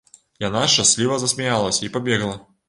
Яна шчасліва засмяялася і пабегла.